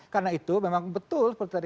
karena itu memang betul seperti tadi